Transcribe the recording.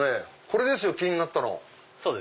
これですよ気になったの。